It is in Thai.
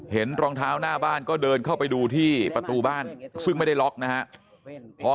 รองเท้าหน้าบ้านก็เดินเข้าไปดูที่ประตูบ้านซึ่งไม่ได้ล็อกนะฮะ